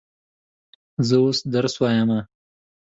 زه اوس درس وایم.